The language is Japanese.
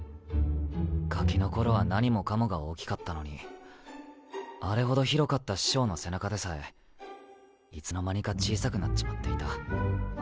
ガキの頃は何もかもが大きかったのにあれほど広かった師匠の背中でさえいつの間にか小さくなっちまっていた。